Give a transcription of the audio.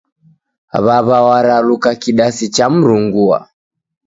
W'aw'a waraluka kidasi cha mrungua.